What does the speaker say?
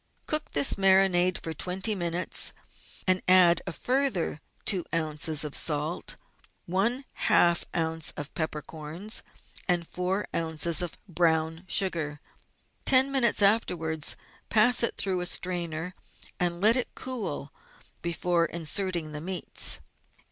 Cook this marinade for twenty minutes, and add a further two oz. of salt, one half oz. of peppercorns, and four oz. of brown sugar. Ten minutes afterwards pass it through a strainer and let it cool before in serting the meats.